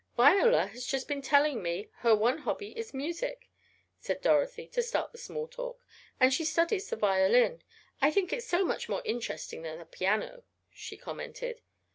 "Viola has just been telling me her one hobby is music," said Dorothy, to start the small talk, "and she studies the violin. I think it so much more interesting than the piano," she commented.